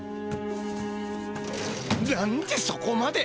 何でそこまで！？